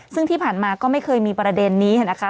ซึ่งที่ผ่านมาก็ไม่เคยมีประเด็นนี้นะคะ